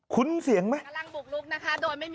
คุณเสียงไหม